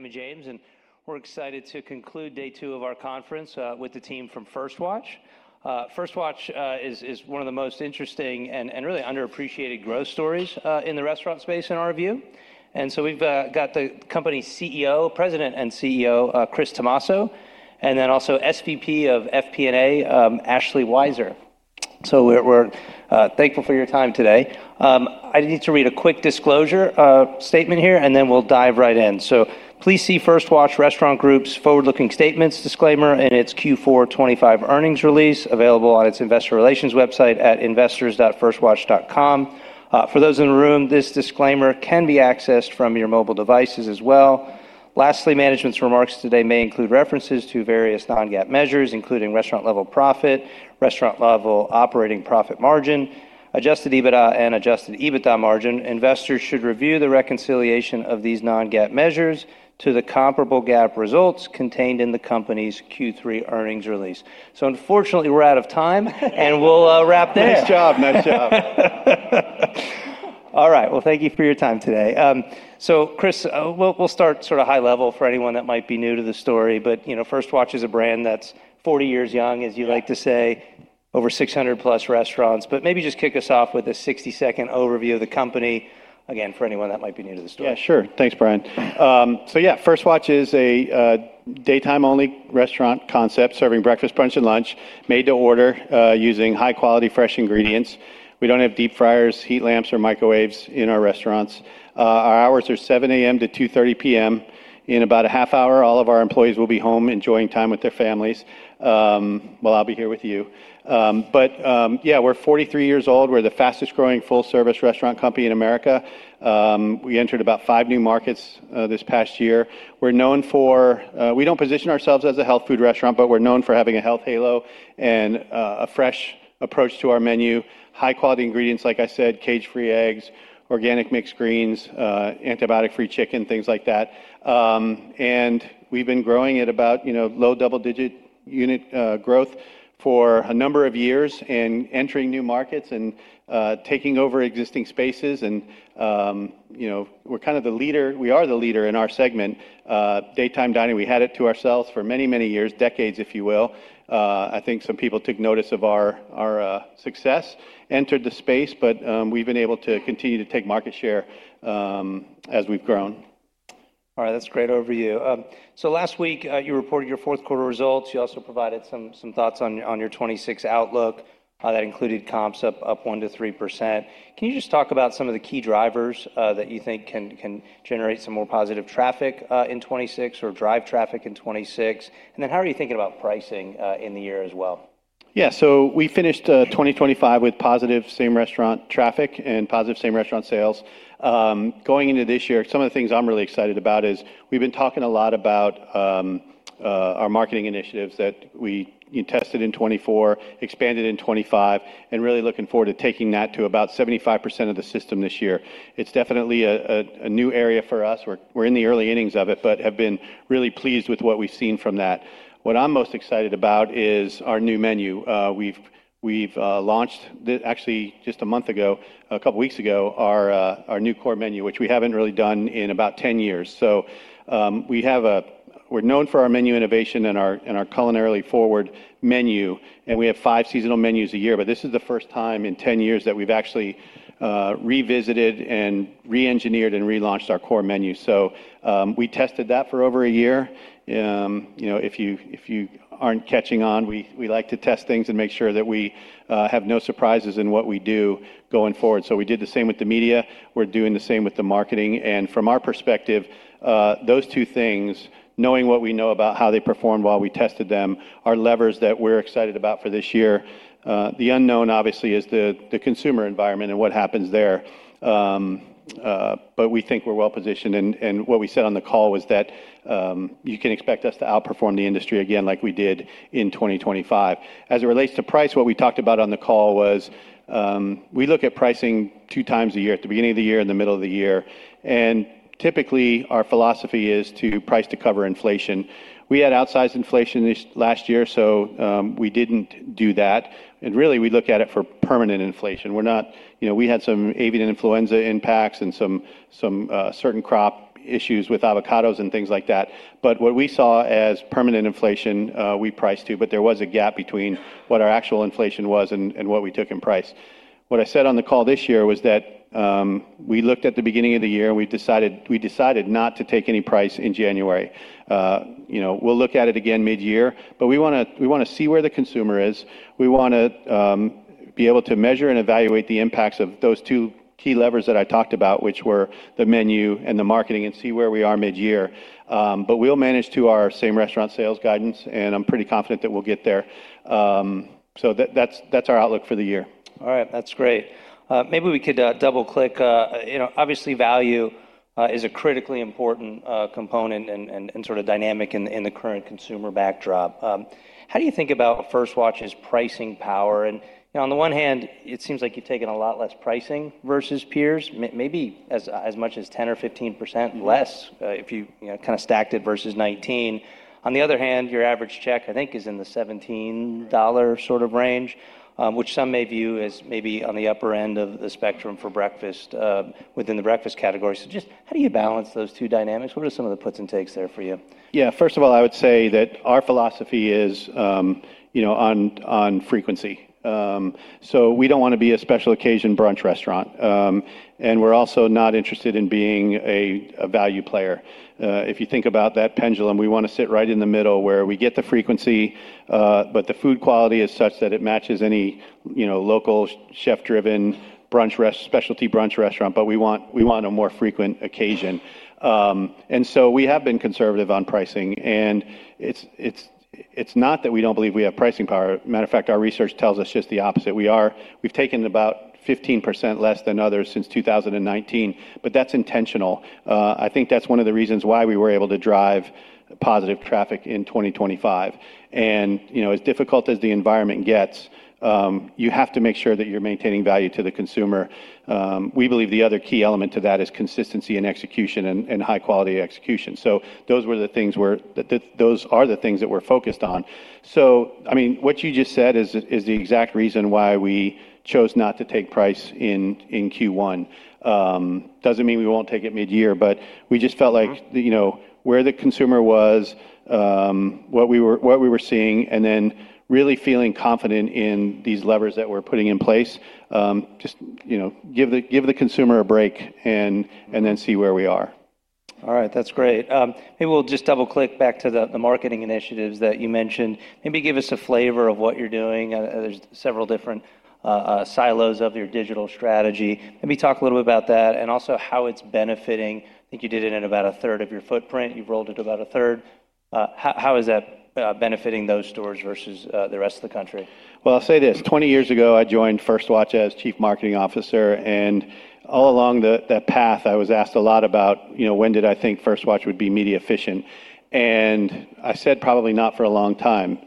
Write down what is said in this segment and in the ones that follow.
Raymond James, we're excited to conclude day two of our conference with the team from First Watch. First Watch is one of the most interesting and really underappreciated growth stories in the restaurant space in our view. We've got the company CEO, President and CEO, Chris Tomasso, and then also SVP of FP&A, Ashlee Weisser We're thankful for your time today. I need to read a quick disclosure statement here, and then we'll dive right in. Please see First Watch Restaurant Group's forward-looking statements disclaimer in its Q4 2025 earnings release available on its investor relations website at investors.firstwatch.com. For those in the room, this disclaimer can be accessed from your mobile devices as well. Lastly, management's remarks today may include references to various non-GAAP measures, including Restaurant level operating profit, Restaurant level operating profit margin, Adjusted EBITDA and Adjusted EBITDA margin. Investors should review the reconciliation of these non-GAAP measures to the comparable GAAP results contained in the company's Q3 earnings release. Unfortunately, we're out of time. And we'll wrap there. Nice job. Nice job. All right. Well, thank you for your time today. Chris, we'll start sort of high level for anyone that might be new to the story, you know, First Watch is a brand that's 40 years young, as you like to say. Yeah. Over 600+ restaurants. Maybe just kick us off with a 60-second overview of the company, again, for anyone that might be new to the story. Yeah, sure. Thanks, Brian. First Watch is a daytime only restaurant concept serving breakfast, brunch and lunch made to order, using high quality fresh ingredients. We don't have deep fryers, heat lamps, or microwaves in our restaurants. Our hours are 7:00 A.M. to 2:30 P.M. In about a half hour, all of our employees will be home enjoying time with their families. Well, I'll be here with you. We're 43 years old. We're the fastest growing full service restaurant company in America. We entered about five new markets this past year. We don't position ourselves as a health food restaurant, we're known for having a health halo and a fresh approach to our menu, high quality ingredients, like I said, cage-free eggs, organic mixed greens, antibiotic-free chicken, things like that. We've been growing at about, you know, low double-digit unit growth for a number of years and entering new markets and taking over existing spaces, you know, we are the leader in our segment, daytime dining. We had it to ourselves for many, many years, decades, if you will. I think some people took notice of our success, entered the space, we've been able to continue to take market share as we've grown. All right. That's a great overview. Last week, you reported your fourth quarter results. You also provided some thoughts on your 2026 outlook that included comps up 1%-3%. Can you just talk about some of the key drivers that you think can generate some more positive traffic in 2026 or drive traffic in 2026? How are you thinking about pricing in the year as well? Yeah. We finished 2025 with positive same-restaurant traffic and positive same-restaurant sales. Going into this year, some of the things I'm really excited about is we've been talking a lot about our marketing initiatives that we tested in 2024, expanded in 2025, and really looking forward to taking that to about 75% of the system this year. It's definitely a new area for us. We're in the early innings of it, but have been really pleased with what we've seen from that. What I'm most excited about is our new menu. We've launched actually just a month ago, a couple of weeks ago, our new core menu, which we haven't really done in about 10 years. We're known for our menu innovation and our culinarily forward menu, and we have five seasonal menus a year, but this is the first time in 10 years that we've actually revisited and re-engineered and relaunched our core menu. We tested that for over a year. You know, if you aren't catching on, we like to test things and make sure that we have no surprises in what we do going forward. We did the same with the media. We're doing the same with the marketing. From our perspective, those two things, knowing what we know about how they performed while we tested them, are levers that we're excited about for this year. The unknown obviously is the consumer environment and what happens there. But we think we're well-positioned. What we said on the call was that you can expect us to outperform the industry again like we did in 2025. As it relates to price, what we talked about on the call was we look at pricing 2 times a year, at the beginning of the year and the middle of the year. Typically, our philosophy is to price to cover inflation. We had outsized inflation last year, so we didn't do that. Really, we look at it for permanent inflation. You know, we had some avian influenza impacts and some certain crop issues with avocados and things like that. What we saw as permanent inflation, we priced too, but there was a gap between what our actual inflation was and what we took in price. What I said on the call this year was that we looked at the beginning of the year and we decided not to take any price in January. You know, we'll look at it again mid-year, but we wanna see where the consumer is. We wanna be able to measure and evaluate the impacts of those two key levers that I talked about, which were the menu and the marketing, and see where we are mid-year. We'll manage to our same-restaurant sales guidance, and I'm pretty confident that we'll get there. That's our outlook for the year. All right. That's great. Maybe we could double-click. You know, obviously value is a critically important component and sort of dynamic in the current consumer backdrop. How do you think about First Watch's pricing power? You know, on the one hand it seems like you've taken a lot less pricing versus peers. Maybe as much as 10% or 15% less. Mm-hmm if you know, kinda stacked it versus 2019. On the other hand, your average check I think is in the $17 sort of range. Which some may view as maybe on the upper end of the spectrum for breakfast, within the breakfast category. Just how do you balance those two dynamics? What are some of the puts and takes there for you? Yeah. First of all, I would say that our philosophy is, you know, on frequency. We don't wanna be a special occasion brunch restaurant. We're also not interested in being a value player. If you think about that pendulum, we wanna sit right in the middle where we get the frequency, but the food quality is such that it matches any, you know, local chef-driven brunch specialty brunch restaurant, but we want a more frequent occasion. We have been conservative on pricing. It's, it's not that we don't believe we have pricing power. Matter of fact, our research tells us just the opposite. We've taken about 15% less than others since 2019, that's intentional. I think that's one of the reasons why we were able to drive positive traffic in 2025. You know, as difficult as the environment gets, you have to make sure that you're maintaining value to the consumer. We believe the other key element to that is consistency in execution and high quality execution. Those are the things that we're focused on. I mean, what you just said is the exact reason why we chose not to take price in Q1. Doesn't mean we won't take it midyear, but we just felt like you know, where the consumer was, what we were seeing, and then really feeling confident in these levers that we're putting in place, just, you know, give the consumer a break and then see where we are. All right. That's great. Maybe we'll just double-click back to the marketing initiatives that you mentioned. Maybe give us a flavor of what you're doing? There's several different silos of your digital strategy. Can we talk a little bit about that and also how it's benefiting? I think you did it in about a third of your footprint. You've rolled it about a third. How is that benefiting those stores versus the rest of the country? Well, I'll say this. 20 years ago, I joined First Watch as chief marketing officer, all along the path I was asked a lot about, you know, when did I think First Watch would be media efficient. I said probably not for a long time.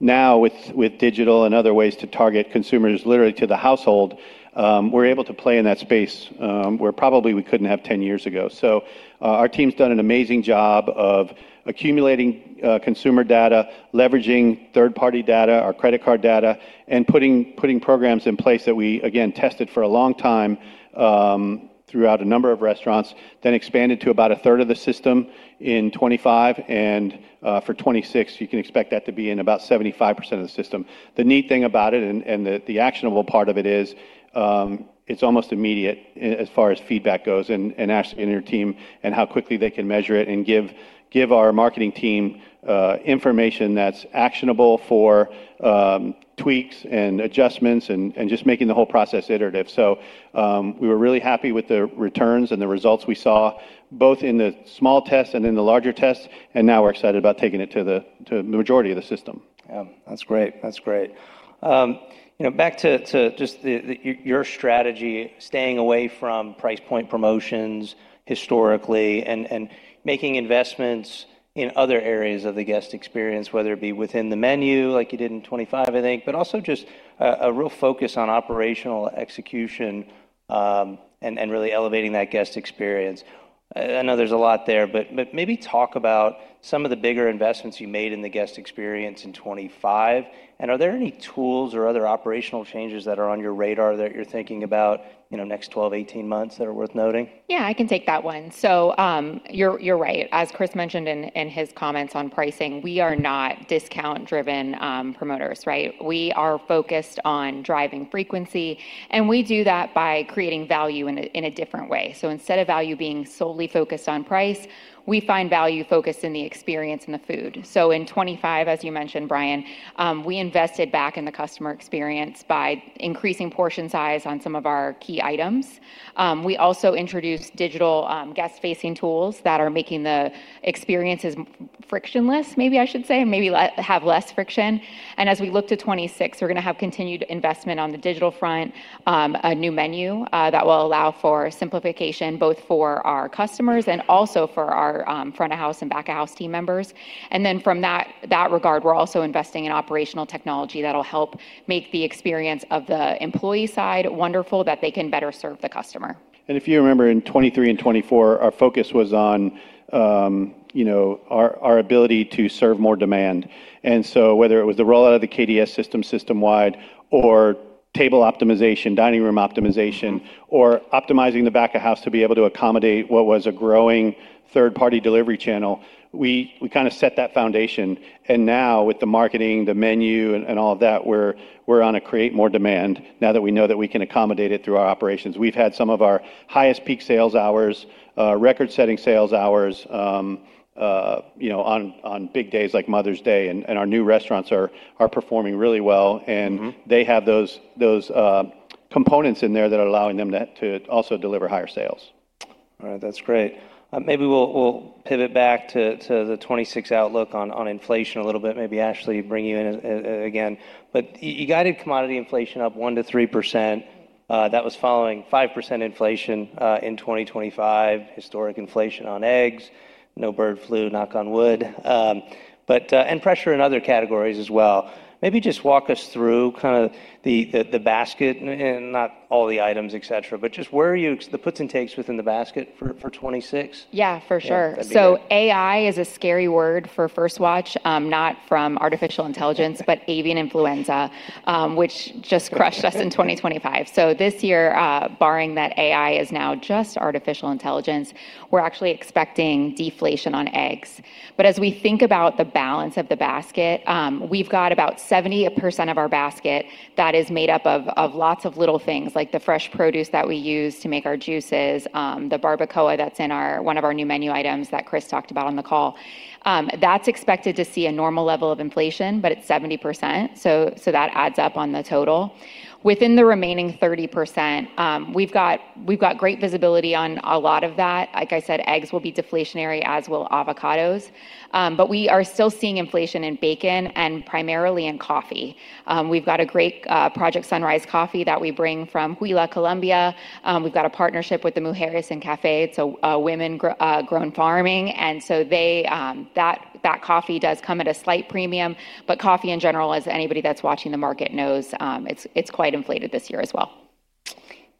Now with digital and other ways to target consumers literally to the household, we're able to play in that space where probably we couldn't have 10 years ago. Our team's done an amazing job of accumulating consumer data, leveraging third-party data, our credit card data, and putting programs in place that we, again, tested for a long time, throughout a number of restaurants, then expanded to about a third of the system in 2025. For 2026 you can expect that to be in about 75% of the system. The neat thing about it and the actionable part of it is, it's almost immediate as far as feedback goes, and Ashlee and her team and how quickly they can measure it and give our marketing team information that's actionable for tweaks and adjustments and just making the whole process iterative. We were really happy with the returns and the results we saw both in the small tests and in the larger tests, and now we're excited about taking it to the majority of the system. Yeah. That's great. That's great. you know, back to just your strategy, staying away from price point promotions historically and making investments in other areas of the guest experience, whether it be within the menu like you did in 2025, I think, but also just a real focus on operational execution, and really elevating that guest experience. I know there's a lot there, but maybe talk about some of the bigger investments you made in the guest experience in 2025. Are there any tools or other operational changes that are on your radar that you're thinking about, you know, next 12, 18 months that are worth noting? Yeah, I can take that one. You're right. As Chris mentioned in his comments on pricing, we are not discount-driven promoters, right? We are focused on driving frequency, and we do that by creating value in a different way. Instead of value being solely focused on price, we find value focused in the experience and the food. In 2025, as you mentioned, Brian, we invested back in the customer experience by increasing portion size on some of our key items. We also introduced digital guest-facing tools that are making the experiences frictionless, maybe I should say, maybe have less friction. As we look to 2026, we're going to have continued investment on the digital front, a new menu that will allow for simplification both for our customers and also for our front of house and back of house team members. From that regard, we're also investing in operational technology that will help make the experience of the employee side wonderful that they can better serve the customer. If you remember in 2023 and 2024, our focus was on, you know, our ability to serve more demand. Whether it was the rollout of the KDS system-wide, or table optimization, dining room optimization, or optimizing the back of house to be able to accommodate what was a growing third-party delivery channel, we kinda set that foundation. Now with the marketing, the menu, and all of that, we're on a create more demand now that we know that we can accommodate it through our operations. We've had some of our highest peak sales hours, record-setting sales hours, you know, on big days like Mother's Day, and our new restaurants are performing really well. Mm-hmm. They have those components in there that are allowing them to also deliver higher sales. All right. That's great. Maybe we'll pivot back to the 2026 outlook on inflation a little bit. Maybe Ashlee, bring you in again. You guided commodity inflation up 1% to 3%. That was following 5% inflation in 2025, historic inflation on eggs, no bird flu, knock on wood. And pressure in other categories as well. Maybe just walk us through kinda the basket and not all the items, et cetera, but just where are the puts and takes within the basket for 2026? Yeah, for sure. Yeah, that'd be great. AI is a scary word for First Watch, not from artificial intelligence, but avian influenza, which just crushed us in 2025. This year, barring that AI is now just artificial intelligence, we're actually expecting deflation on eggs. As we think about the balance of the basket, we've got about 70% of our basket that is made up of lots of little things like the fresh produce that we use to make our juices, the Barbacoa that's in one of our new menu items that Chris talked about on the call. That's expected to see a normal level of inflation, but it's 70%, so that adds up on the total. Within the remaining 30%, we've got great visibility on a lot of that. Like I said, eggs will be deflationary, as will avocados. We are still seeing inflation in bacon and primarily in coffee. We've got a great Project Sunrise coffee that we bring from Huila, Colombia. We've got a partnership with the Mujeres en Café, it's a women grown farming. They, that coffee does come at a slight premium. Coffee in general, as anybody that's watching the market knows, it's quite inflated this year as well.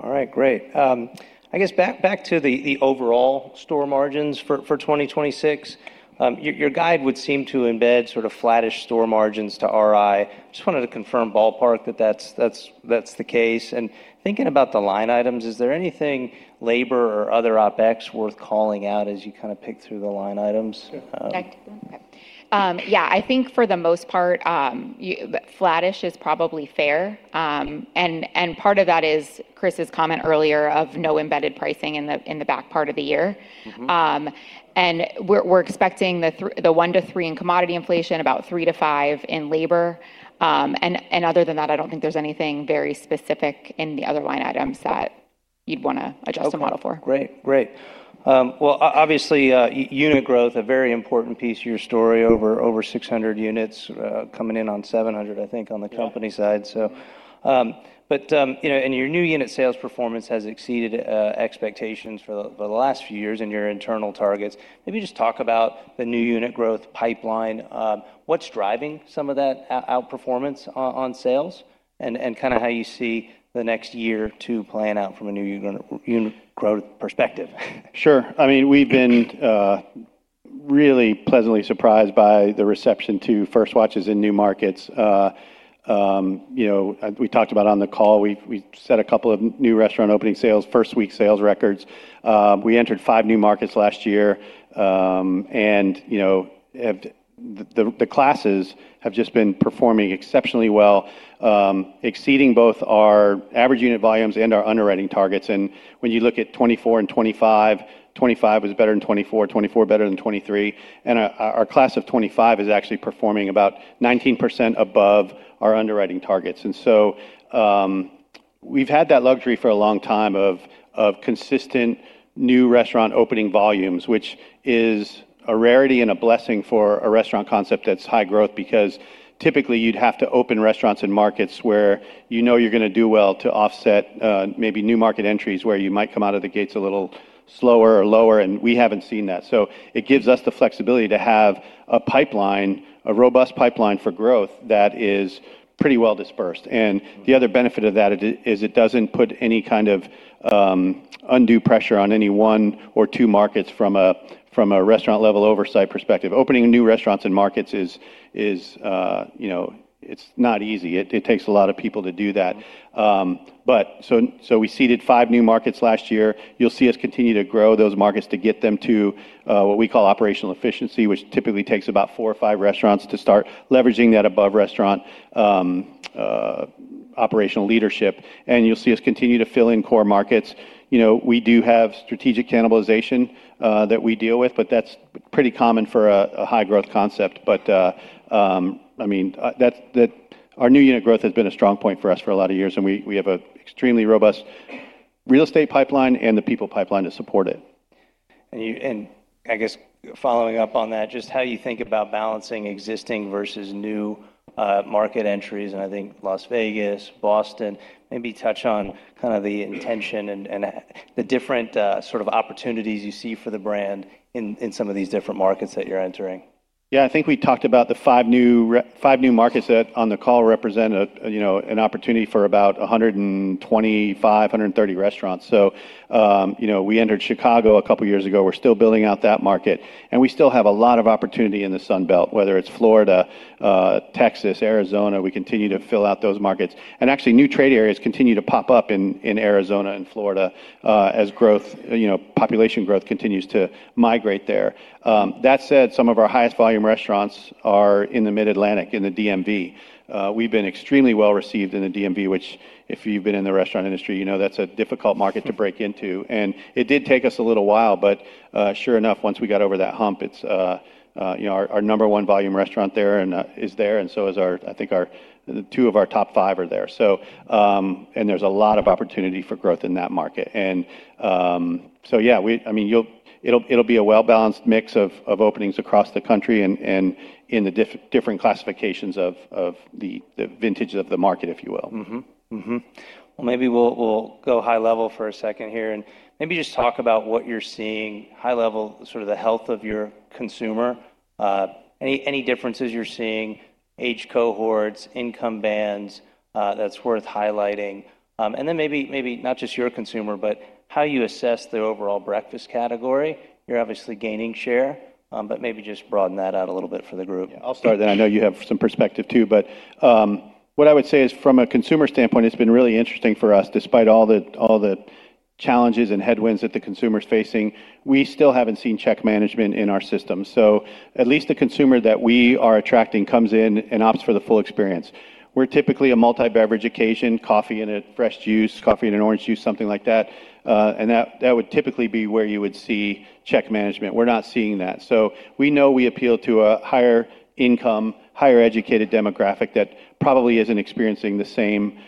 All right, great. I guess back to the overall store margins for 2026. Your guide would seem to embed sort of flattish store margins to RI. Just wanted to confirm ballpark that's the case. Thinking about the line items, is there anything labor or other OpEx worth calling out as you kinda pick through the line items? Okay. Yeah, I think for the most part, flattish is probably fair. Part of that is Chris's comment earlier of no embedded pricing in the back part of the year. Mm-hmm. And we're expecting the 1%-3% in commodity inflation, about 3%-5% in labor. Other than that, I don't think there's anything very specific in the other line items that you'd wanna adjust the model for. Okay. Great, great. Well, obviously, unit growth, a very important piece of your story, over 600 units, coming in on 700, I think, on the company side. Yeah. You know, and your new unit sales performance has exceeded expectations for the last few years and your internal targets. Maybe just talk about the new unit growth pipeline. What's driving some of that outperformance on sales and kind of how you see the next year or two playing out from a new unit growth perspective? Sure. I mean, we've been really pleasantly surprised by the reception to First Watches in new markets. You know, we talked about on the call, we set a couple of new restaurant opening sales, first week sales records. We entered five new markets last year, and, you know, the classes have just been performing exceptionally well, exceeding both our average unit volumes and our underwriting targets. When you look at 2024 and 2025 was better than 2024 better than 2023. Our class of 2025 is actually performing about 19% above our underwriting targets. We've had that luxury for a long time of consistent new restaurant opening volumes, which is a rarity and a blessing for a restaurant concept that's high growth because typically you'd have to open restaurants in markets where you know you're gonna do well to offset, maybe new market entries where you might come out of the gates a little slower or lower, and we haven't seen that. It gives us the flexibility to have a pipeline, a robust pipeline for growth that is pretty well dispersed. The other benefit of that it is it doesn't put any kind of undue pressure on any one or two markets from a, from a restaurant-level oversight perspective. Opening new restaurants and markets is, you know, it's not easy. It takes a lot of people to do that. We seeded five new markets last year. You'll see us continue to grow those markets to get them to what we call operational efficiency, which typically takes about four or five restaurants to start leveraging that above restaurant operational leadership. You'll see us continue to fill in core markets. You know, we do have strategic cannibalization that we deal with, but that's pretty common for a high growth concept. I mean, Our new unit growth has been a strong point for us for a lot of years, and we have a extremely robust real estate pipeline and the people pipeline to support it. I guess following up on that, just how you think about balancing existing versus new market entries, and I think Las Vegas, Boston, maybe touch on kinda the intention and the different sort of opportunities you see for the brand in some of these different markets that you're entering? Yeah. I think we talked about the five new markets that on the call represent a, you know, an opportunity for about 125-130 restaurants. You know, we entered Chicago a couple years ago. We're still building out that market, and we still have a lot of opportunity in the Sun Belt, whether it's Florida, Texas, Arizona. We continue to fill out those markets. New trade areas continue to pop up in Arizona and Florida, as growth, you know, population growth continues to migrate there. That said, some of our highest volume restaurants are in the Mid-Atlantic, in the DMV. We've been extremely well-received in the DMV, which if you've been in the restaurant industry, you know that's a difficult market to break into. It did take us a little while, but, sure enough, once we got over that hump, it's, you know, our number one volume restaurant there and is there, and so is our, I think our, two of our top five are there. There's a lot of opportunity for growth in that market. Yeah, we, I mean, it'll be a well-balanced mix of openings across the country and in the different classifications of the vintage of the market, if you will. Well, maybe we'll go high level for a second here, and maybe just talk about what you're seeing high level, sort of the health of your consumer. Any, any differences you're seeing, age cohorts, income bands, that's worth highlighting. Then maybe not just your consumer, but how you assess the overall breakfast category. You're obviously gaining share, but maybe just broaden that out a little bit for the group. I'll start, then I know you have some perspective too. What I would say is from a consumer standpoint, it's been really interesting for us, despite all the challenges and headwinds that the consumer is facing, we still haven't seen check management in our system. At least the consumer that we are attracting comes in and opts for the full experience. We're typically a multi-beverage occasion, coffee and a fresh juice, coffee and an orange juice, something like that. That would typically be where you would see check management. We're not seeing that. We know we appeal to a higher income, higher educated demographic that probably isn't experiencing the same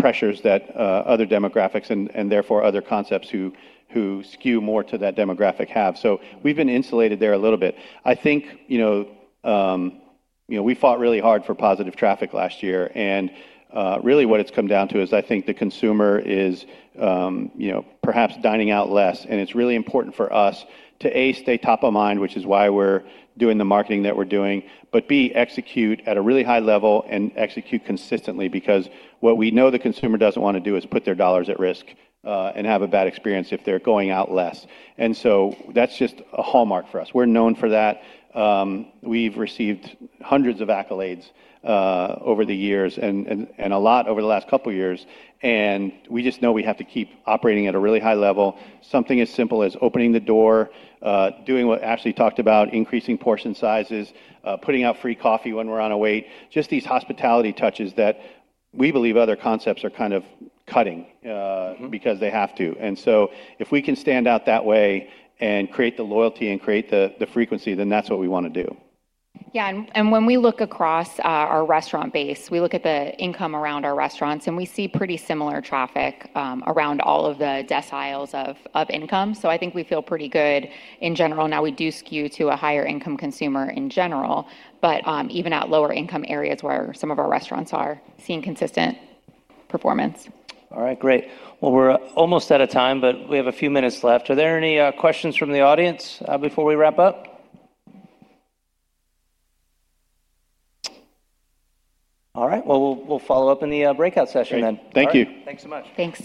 pressures that other demographics and therefore other concepts who skew more to that demographic have. We've been insulated there a little bit. I think, you know, you know, we fought really hard for positive traffic last year. Really what it's come down to is I think the consumer is, you know, perhaps dining out less, and it's really important for us to, A, stay top of mind, which is why we're doing the marketing that we're doing, but, B, execute at a really high level and execute consistently because what we know the consumer doesn't wanna do is put their dollars at risk, and have a bad experience if they're going out less. That's just a hallmark for us. We're known for that. We've received hundreds of accolades over the years and a lot over the last couple of years, and we just know we have to keep operating at a really high level. Something as simple as opening the door, doing what Ashlee talked about, increasing portion sizes, putting out free coffee when we're on a wait. Just these hospitality touches that we believe other concepts are kind of cutting. because they have to. If we can stand out that way and create the loyalty and create the frequency, then that's what we wanna do. Yeah. When we look across our restaurant base, we look at the income around our restaurants, and we see pretty similar traffic around all of the deciles of income. I think we feel pretty good in general. Now, we do skew to a higher income consumer in general, but even at lower income areas where some of our restaurants are seeing consistent performance. All right. Great. We're almost out of time, but we have a few minutes left. Are there any questions from the audience before we wrap up? All right. We'll follow up in the breakout session then. Great. Thank you. All right. Thanks so much. Thanks.